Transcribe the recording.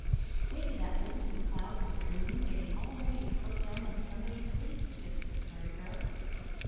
"Maybe that little pink cloud is a dream, getting all ready to float down into somebody's sleep," suggested the Story Girl.